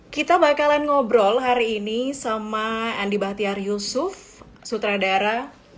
kita bakalan ngobrol hari ini sama andi bahtiar yusuf sutradara